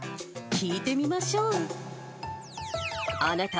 聞いてみましょう。